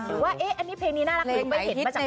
หรือว่าเพลงนี้น่ารักหรือไม่เห็นมาจากออนไลน์